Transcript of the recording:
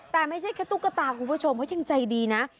แต่ไม่ใช่แค่ตุ๊กตาคุณผู้ชมเขายังใจดีนะ